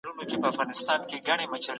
ډالۍ ورکول مینه پیدا کوي.